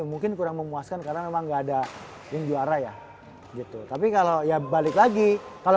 mungkin kurang memuaskan karena memang enggak ada yang juara ya gitu tapi kalau ya balik lagi kalau